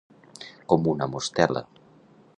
Com una mostela.